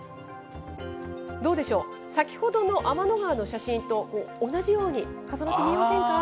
どうでしょう、先ほどの天の川の写真と同じように重なって見えませんか？